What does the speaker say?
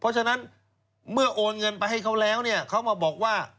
เพราะฉะนั้นเมื่อโอนเงินไปให้เขาแล้วเนี่ยเขามาบอกว่า